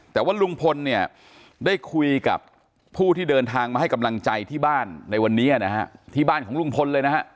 แต่ว่าลุงพลเนี่ยได้คุยกับผู้ที่เดินทางมาให้กำลังใจที่บ้านในวันนี้นะฮะที่บ้านของลุงพลเลยนะฮะ